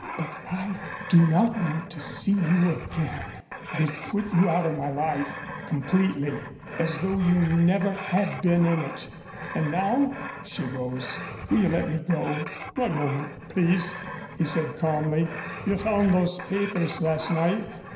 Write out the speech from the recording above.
But I do not want to see you again. I have put you out of my life completely as though you never had been in it. And now," she rose, "will you let me go?" "One moment, please," he said calmly. "You found those papers last night?"